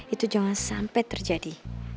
itu jangan sampai terjadi